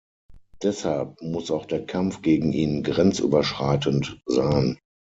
Deshalb muss auch der Kampf gegen ihn grenzüberschreitend sein.